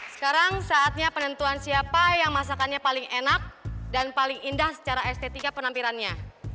sekarang saatnya penentuan siapa yang masakannya paling enak dan paling indah secara estetika penampilannya